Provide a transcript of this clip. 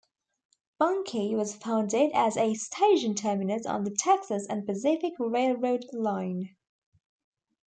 Bunkie was founded as a station terminus on the Texas and Pacific Railroad line.